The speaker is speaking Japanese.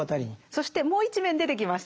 そしてもう一面出てきましたね。